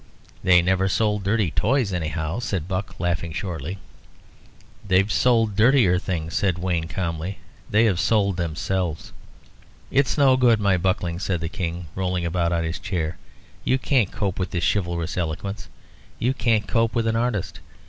"They've never sold dirty toys, anyhow," said Buck, laughing shortly. "They've sold dirtier things," said Wayne, calmly: "they have sold themselves." "It's no good, my Buckling," said the King, rolling about on his chair. "You can't cope with this chivalrous eloquence. You can't cope with an artist.